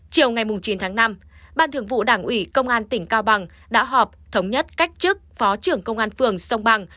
chiều ngày chín tháng năm ban thường vụ đảng ủy công an tỉnh cao bằng đã họp thống nhất cách chức phó trưởng công an phường sông bằng